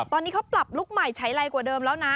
ตอนนี้เขาปรับลุคใหม่ใช้ไรกว่าเดิมแล้วนะ